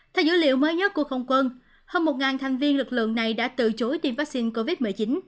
theo dữ liệu mới nhất của không quân hơn một thành viên lực lượng này đã từ chối tiêm vaccine covid một mươi chín